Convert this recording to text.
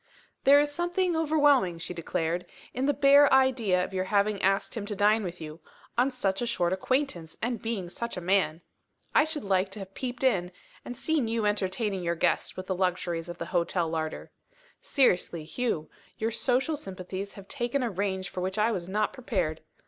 "There is something overwhelming," she declared, "in the bare idea of your having asked him to dine with you on such a short acquaintance, and being such a man! I should like to have peeped in, and seen you entertaining your guest with the luxuries of the hotel larder. Seriously, Hugh, your social sympathies have taken a range for which I was not prepared.